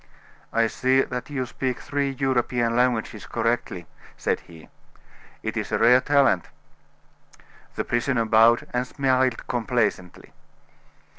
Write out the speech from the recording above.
"I see that you speak three European languages correctly," said he. "It is a rare talent." The prisoner bowed, and smiled complacently.